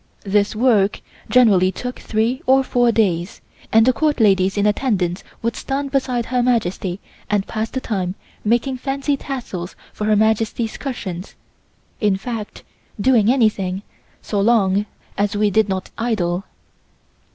This work generally took three or four days, and the Court ladies in attendance would stand beside Her Majesty and pass the time making fancy tassels for Her Majesty's cushions, in fact doing anything so long as we did not idle.